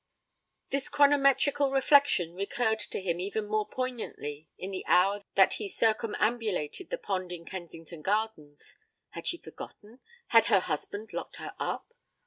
This chronometrical reflection recurred to him even more poignantly in the hour that he circumambulated the pond in Kensington Gardens. Had she forgotten had her husband locked her up?